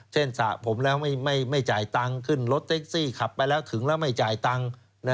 สระผมแล้วไม่จ่ายตังค์ขึ้นรถแท็กซี่ขับไปแล้วถึงแล้วไม่จ่ายตังค์